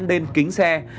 lên kính sản phẩm